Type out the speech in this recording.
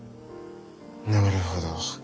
なるほど。